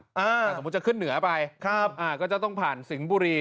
ถ้าสมมุติจะขึ้นเหนือไปก็จะต้องผ่านสิงห์บุรี